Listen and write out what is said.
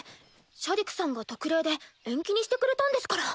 シャディクさんが特例で延期にしてくれたんですから。